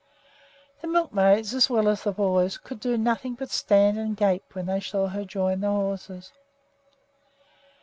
The milkmaids, as well as the boys, could do nothing but stand and gape when they saw her join the horses.